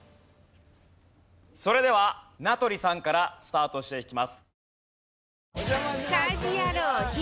それでは名取さんからスタートしていきます。